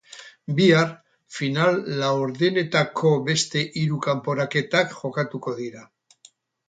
Bihar, final-laurdenetako beste hiru kanporaketak jokatuko dira.